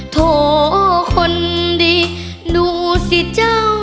โถคนดีดูสิเจ้า